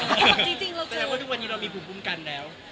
แสดงว่าทุกวันนี้เรามีภูมิคุ้มกันแล้ว